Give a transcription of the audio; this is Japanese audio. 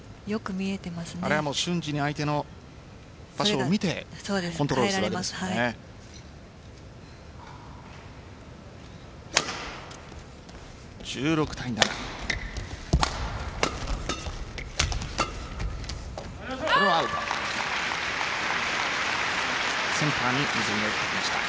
あれは瞬時に相手の場所を見てコントロールしているんですね。